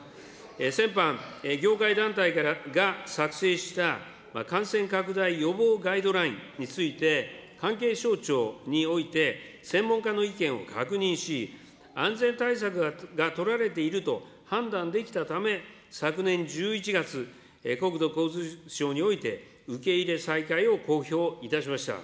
先般、業界団体が作成した感染拡大予防ガイドラインについて、関係省庁において専門家の意見を確認し、安全対策が取られていると判断できたため、昨年１１月、国土交通省において受け入れ再開を公表いたしました。